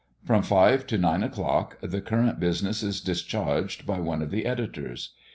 From five to nine o'clock, the current business is discharged by one of the editors.